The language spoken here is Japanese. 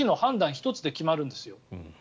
１つで決まるんですよ。